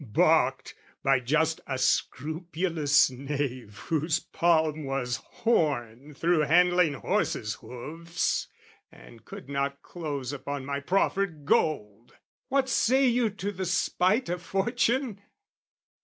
baulked by just a scrupulous knave Whose palm was horn through handling horses' hoofs And could not close upon my proffered gold! What say you to the spite of fortune?